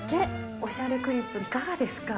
おしゃれクリップ、いかがですか？